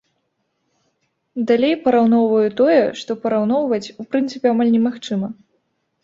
Далей параўноўваю тое, што параўноўваць у прынцыпе амаль немагчыма.